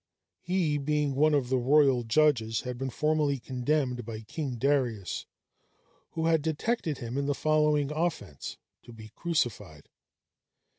He, being one of the royal judges, had been formerly condemned by King Darius (who had detected him in the following offence), to be crucified.